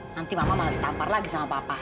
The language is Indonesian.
nanti mama malah ditapar lagi sama papa